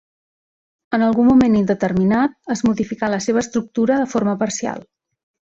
En algun moment indeterminat es modificà la seva estructura de forma parcial.